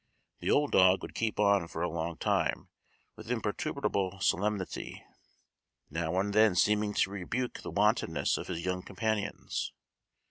The old dog would keep on for a long time with imperturbable solemnity, now and then seeming to rebuke the wantonness of his young companions.